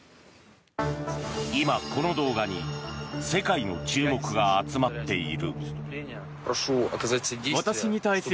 今、この動画に世界の注目が集まっている。